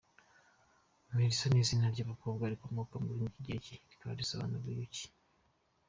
Melisa ni izina ry’abakobwa rikomoka ku rurimri rw’Ikigereki rikaba risobanura “uruyuki”.